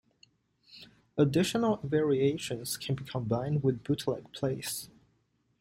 Additional variations can be combined with bootleg plays.